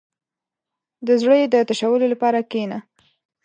• د زړۀ د تشولو لپاره کښېنه.